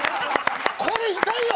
これ痛いよ！